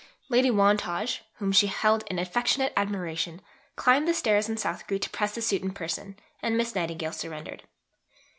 Lady Wantage, whom she held in affectionate admiration, climbed the stairs in South Street to press the suit in person, and Miss Nightingale surrendered.